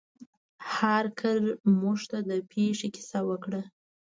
هارکر موږ ته د پیښې کیسه وکړه.